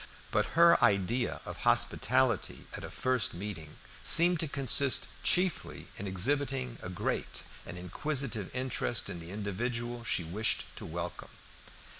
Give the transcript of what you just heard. But her idea of hospitality at a first meeting seemed to consist chiefly in exhibiting a great and inquisitive interest in the individual she wished to welcome.